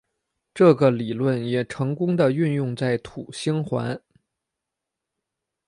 这个理论也成功的运用在土星环。